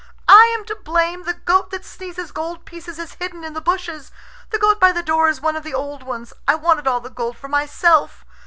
"I am to blame. The goat that sneezes gold pieces is hidden in the bushes. The goat by the door is one of the old ones. I wanted all the gold for myself."